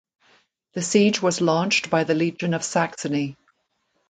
The siege was launched by the Legion of Saxony.